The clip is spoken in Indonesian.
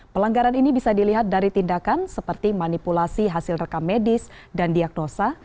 pelanggaran ini bisa dilihat dari tindakan seperti manipulasi hasil rekam medis dan diagnosa